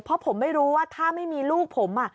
เพราะผมไม่รู้ว่าถ้าไม่มีลูกผม